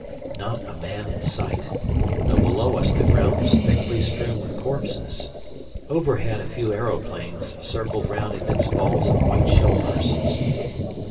Not a man in sight, though below us the ground was thickly strewn with corpses. Overhead a few aeroplanes circled round amidst balls of white shell bursts.